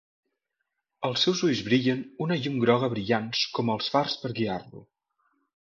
Els seus ulls brillen una llum groga brillants com els fars per guiar-lo.